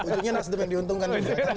ujungnya nasdem yang diuntungkan